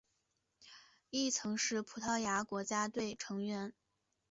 亦曾是葡萄牙国家队成员。